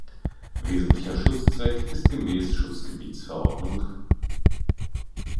Wesentlicher Schutzzweck ist gemäß Schutzgebietsverordnung